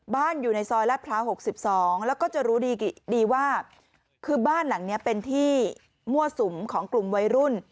อยู่ในซอยลาดพร้าว๖๒แล้วก็จะรู้ดีว่าคือบ้านหลังนี้เป็นที่มั่วสุมของกลุ่มวัยรุ่น